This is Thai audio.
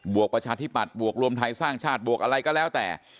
วกประชาธิปัตย์บวกรวมไทยสร้างชาติบวกอะไรก็แล้วแต่